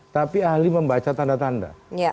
tapi ahli membaca tanda tanda